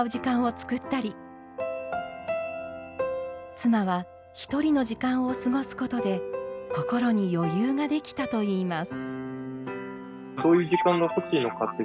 妻は１人の時間を過ごすことで心に余裕が出来たといいます。